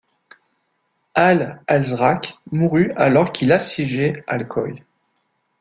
Al-Azraq mourut alors qu'il assiégeait Alcoi.